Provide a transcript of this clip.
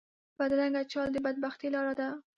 بدرنګه چال د بد بختۍ لاره ده